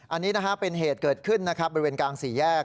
อันนี้เป็นเหตุเกิดขึ้นบริเวณกลางสี่แยก